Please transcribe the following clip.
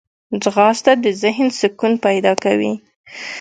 ځغاسته د ذهن سکون پیدا کوي